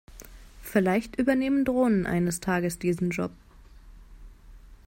Vielleicht übernehmen Drohnen eines Tages diesen Job.